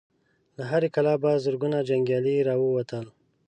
له هرې کلا په زرګونو جنګيالي را ووتل.